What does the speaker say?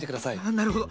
なるほど。